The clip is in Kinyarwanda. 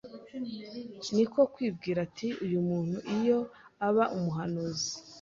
niko kwibwira ati : "Uyu muntu iyo aba umuhanuzi